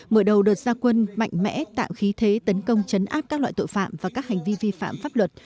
mở đầu đợt gia quân mạnh mẽ tạo khí thế tấn công chấn áp các loại tội phạm và các hành vi vi phạm pháp luật